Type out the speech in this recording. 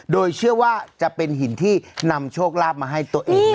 โดยเชื่อว่าจะเป็นหินที่นำโชคลาภมาให้ตัวเอง